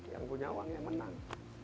yang punya uang yang menang